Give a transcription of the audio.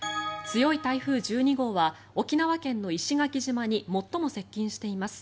強い台風１２号は沖縄県の石垣島に最も接近しています。